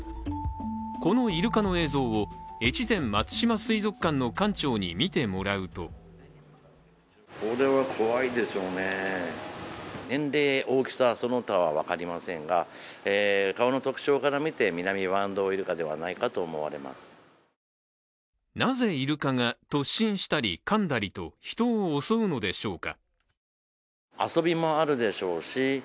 このイルカの映像を越前松島水族館の館長に見てもらうとなぜイルカが突進したりかんだりと人を襲うのでしょうか。